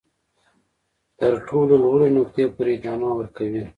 تر تر ټولو لوړې نقطې پورې ادامه ورکوي.